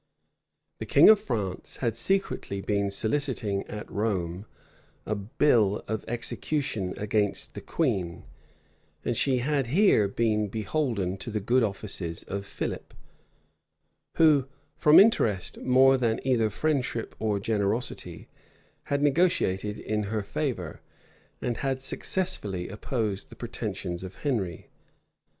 The king of France had secretly been soliciting at Rome a bull of excommunication against the queen; and she had here been beholden to the good offices of Philip, who, from interest more than either friendship or generosity, had negotiated in her favor, and had successfully opposed the pretensions of Henry.